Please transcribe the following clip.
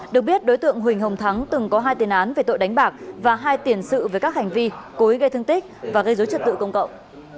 được biết đối tượng huỳnh hồng thắng từng có hai tiền án về tội đánh bạc và hai tiền sự về các hành vi cối gây thương tích và gây dối trật tự công cộng